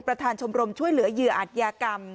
ประธานชมรมช่วยเหลือเหยื่ออัธยากรรม